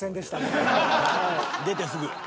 出てすぐ。